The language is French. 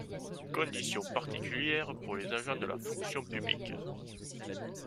Conditions Particulières pour les agents de la fonction publique.